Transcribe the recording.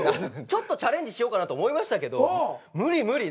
ちょっとチャレンジしようかなと思いましたけど無理無理。